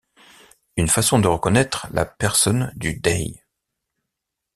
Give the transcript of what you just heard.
Une façon de reconnaître la personne du Dey.